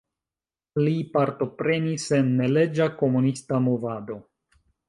Li partoprenis en neleĝa komunista movado.